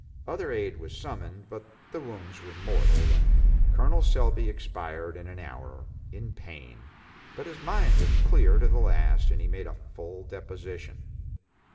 Other aid was summoned, but the wounds were mortal, and Col Selby expired in an hour, in pain, but his mind was clear to the last and he made a full deposition.